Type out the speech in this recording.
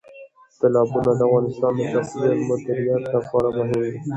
تالابونه د افغانستان د چاپیریال مدیریت لپاره مهم دي.